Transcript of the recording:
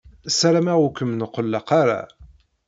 Ssarameɣ ur kem-nqelleq ara.